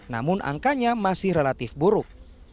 namun angkanya masih relatif buruk